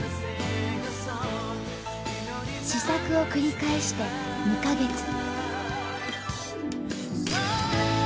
試作を繰り返して２か月。